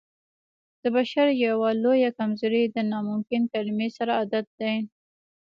د بشر يوه لويه کمزوري د ناممکن کلمې سره عادت دی.